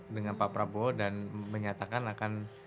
dengan pak prabowo dan menyatakan akan